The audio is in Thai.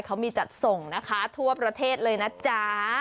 เขามีจัดส่งนะคะทั่วประเทศเลยนะจ๊ะ